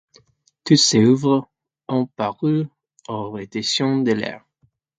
Toutes ses œuvres ont paru aux éditions de l'Aire.